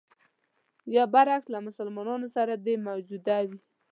یا برعکس له مسلمانانو سره دې موجوده وي.